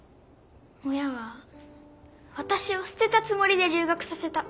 親は私を捨てたつもりで留学させた。